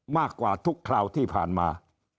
มากกว่าทุกคราวที่ผ่านมา